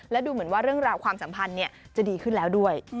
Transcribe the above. และดูเหมือนว่าเรื่องราวความสัมพันธ์จะดีขึ้นแล้วด้วย